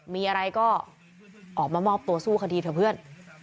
มีอะไรก็ออกมามอบตัวสู้คดีเถอะเพื่อน